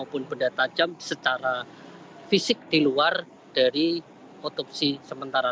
maupun benda tajam secara fisik di luar dari otopsi sementara